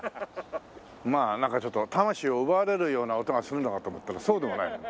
まあなんかちょっと魂を奪われるような音がするのかと思ったらそうでもないね。